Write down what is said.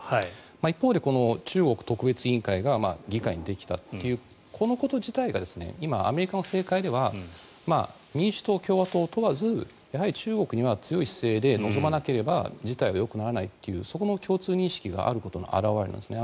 一方で、中国特別委員会が議会にできたというこのこと自体が今、アメリカの政界では民主党、共和党問わず中国に対しては強い姿勢で臨まなければ事態はよくならないというそこの共通認識があることの現れなんです。